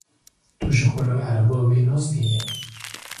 Tu ji xwe ra ereba wî nastînî?